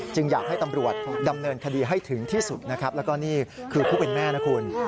อยากให้ตำรวจดำเนินคดีให้ถึงที่สุดนะครับแล้วก็นี่คือผู้เป็นแม่นะคุณ